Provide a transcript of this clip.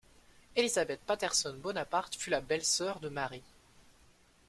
Elizabeth Patterson-Bonaparte fut la belle-sœur de Mary.